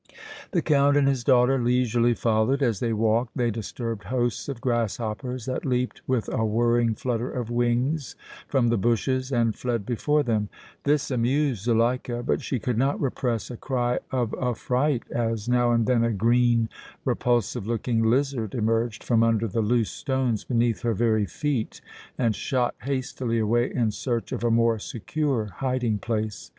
The Count and his daughter leisurely followed. As they walked they disturbed hosts of grasshoppers, that leaped with a whirring flutter of wings from the bushes and fled before them. This amused Zuleika, but she could not repress a cry of affright as now and then a green, repulsive looking lizard emerged from under the loose stones beneath her very feet and shot hastily away in search of a more secure hiding place.